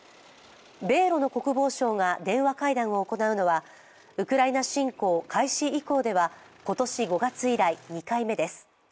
米ロの国防相が電話会談を行うのはウクライナ侵攻開始以降では今年５月以来２回目です。